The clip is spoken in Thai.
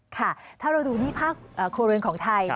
ถ้าเราดูหนี้ผ้าครัวเรือนของไทย